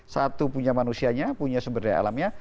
satu punya manusianya punya sumber daya alamnya